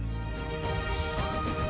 jika anda ingin mencoba gerobak hidrolik